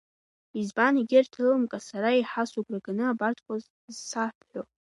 Избан егьырҭ рылымкаа сара еиҳа сыгәра ганы абарҭқәа зсабҳәо?